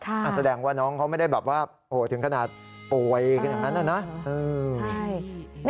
อันแสดงว่าน้องเขาไม่ได้แบบว่าโอ้โหถึงขนาดป่วยขนาดนั้นน่ะนะ